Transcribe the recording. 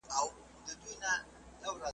له اوله خدای پیدا کړم له خزان سره همزولی .